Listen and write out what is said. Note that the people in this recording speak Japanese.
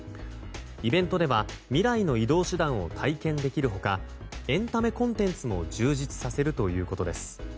イベントでは未来の移動手段を体験できる他エンタメコンテンツも充実させるということです。